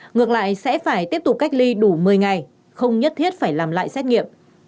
ngược lại sẽ phải tiếp tục cách ly đủ một mươi ngày không nhất thiết phải làm lại xét nghiệm